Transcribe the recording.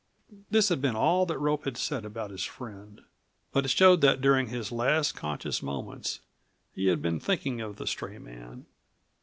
This had been all that Rope had said about his friend, but it showed that during his last conscious moments he had been thinking of the stray man.